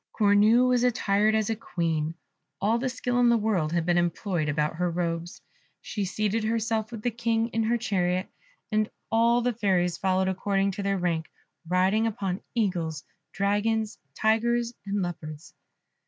Cornue was attired as a Queen; all the skill in the world had been employed about her robes. She seated herself with the King in her chariot, and all the fairies followed according to their rank, riding upon eagles, dragons, tigers, and leopards.